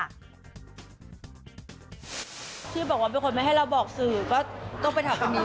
ที่บอกว่าเป็นคนไม่ให้เราบอกสื่อก็ต้องไปถามคนนี้